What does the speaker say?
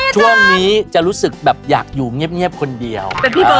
ช่วงนี้จะรู้สึกแบบอยากอยู่เงียบคนเดียว